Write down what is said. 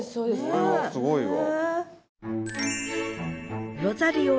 これはすごいわ。